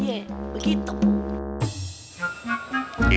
supaya warga itu bisa maafin dia